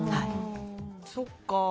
そっか。